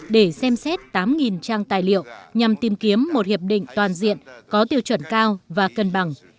để xem xét tám trang tài liệu nhằm tìm kiếm một hiệp định toàn diện có tiêu chuẩn cao và cân bằng